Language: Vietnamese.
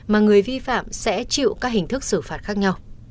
mà người vi phạm sẽ chịu các hình thức xử phạt khác nhau